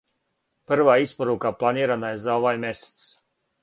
Прва испорука планирана је за овај месец.